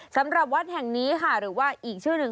สำหรับวัดแห่งนี้ค่ะหรือว่าอีกชื่อหนึ่ง